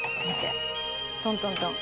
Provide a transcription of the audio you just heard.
トントントン。